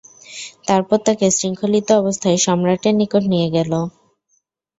তারপর তাকে শৃঙ্খলিত অবস্থায় সম্রাটের নিকট নিয়ে গেল।